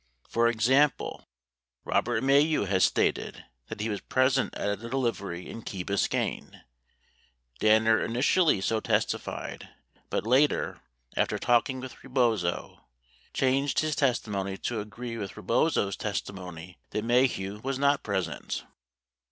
For example, Robert Maheu has stated that he was present at a delivery in Key Biscayne. Danner initially so testified, but. later, after talking with Rebozo, changed his testimony to agree with Rebozo's testimonv that Maheu was not present.